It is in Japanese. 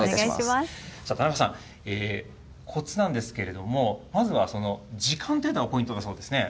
さあ田中さん、コツなんですけれども、まずは時間っていうのがポイントだそうですね。